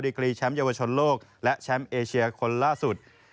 กรีแชมป์เยาวชนโลกและแชมป์เอเชียคนล่าสุด